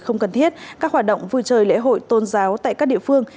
không cần thiết các hoạt động vui chơi lễ hội tôn giáo tại các địa phương